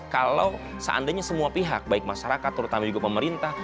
kalau seandainya semua pihak baik masyarakat terutama juga pemerintah